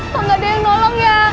kok gak ada yang nolong ya